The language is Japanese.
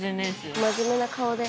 真面目な顔で。